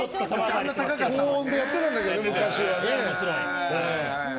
高音でやってたんだけどね昔は。